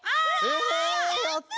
えやった！